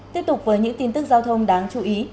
tiếp tục với những tin tức giao thông đáng chú ý